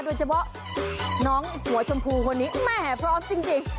โดยเฉพาะน้องหัวชมพูคนนี้แหมพร้อมจริง